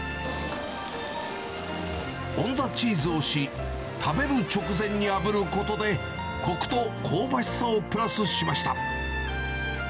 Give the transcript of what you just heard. オンザチーズをし、食べる直前にあぶることで、こくと香ばしさをプラスしました。